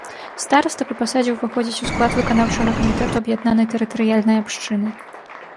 Стараста па пасадзе ўваходзіць у склад выканаўчага камітэту аб'яднанай тэрытарыяльнай абшчыны.